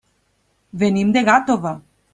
Venim de Gàtova.